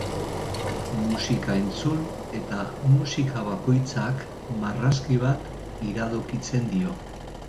Musika entzun eta musika bakoitzak marrazki bat iradokitzen dio.